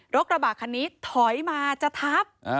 กระบะคันนี้ถอยมาจะทับ